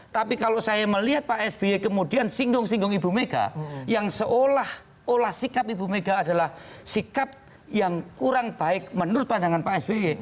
tapi kalau saya melihat pak sby kemudian singgung singgung ibu mega yang seolah olah sikap ibu mega adalah sikap yang kurang baik menurut pandangan pak sby